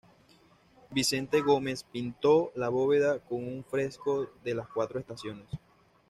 Vicente Gómez pintó la bóveda con un fresco de Las Cuatro Estaciones.